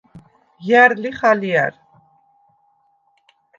ჲა̈რ ლიხ ალჲა̈რ?